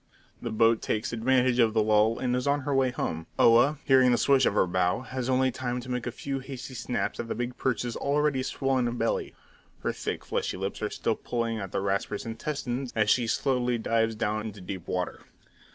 The boat takes advantage of the lull, and is on her way home. Oa, hearing the swish of her bow, has only time to make a few hasty snaps at the big perch's already swollen belly; her thick, fleshy lips are still pulling at the Rasper's intestines as she slowly dives down into deep water.